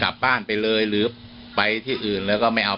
ไม่ได้เอาหีบไปดู